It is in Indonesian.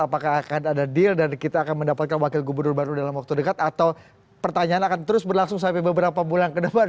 apakah akan ada deal dan kita akan mendapatkan wakil gubernur baru dalam waktu dekat atau pertanyaan akan terus berlangsung sampai beberapa bulan ke depan